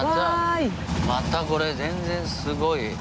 またこれ全然すごい。